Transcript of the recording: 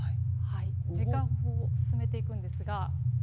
時間を進めていくんですが。